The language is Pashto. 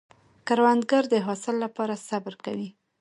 کروندګر د حاصل له پاره صبر کوي